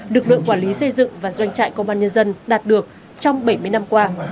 lực lượng quản lý xây dựng và doanh trại công an nhân dân đạt được trong bảy mươi năm qua